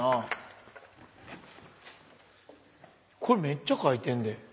これめっちゃ書いてんで。